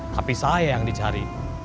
tapi saya yang dicari